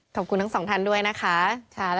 ขอบคุณทั้งสองท่านด้วยนะคะ